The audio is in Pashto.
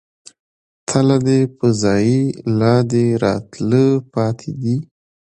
تله دې په ځائے، لا دې راتله پاتې دي